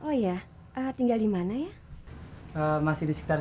botha dan bentesmu juga kenceng sekali